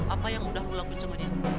apa yang udah lu lakuin sama dia